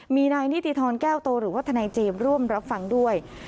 มีนายนิติธรแก้วโตหรือว่าทนายเจมส์ร่วมรับฟังด้วย